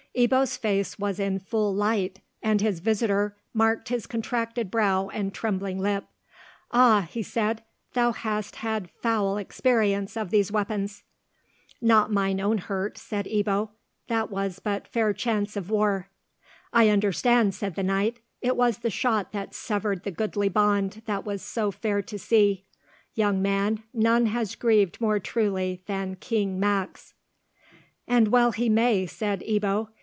Ebbo's face was in full light, and his visitor marked his contracted brow and trembling lip. "Ah!" he said, "thou hast had foul experience of these weapons." "Not mine own hurt," said Ebbo; "that was but fair chance of war." "I understand," said the knight; "it was the shot that severed the goodly bond that was so fair to see. Young man, none has grieved more truly than King Max." "And well he may," said Ebbo.